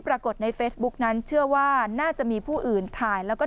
ปรากฏในเฟซบุ๊กนั้นเชื่อว่าน่าจะมีผู้อื่นถ่ายแล้วก็